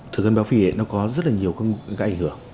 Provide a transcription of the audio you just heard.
thì nó có rất là nhiều các ảnh hưởng